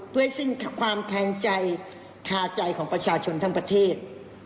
ด้วยซึ่งความแข็งใจคาใจของประชาชนทั้งประเทศ